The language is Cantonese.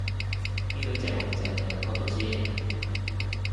啲女正還正你係咪溝到先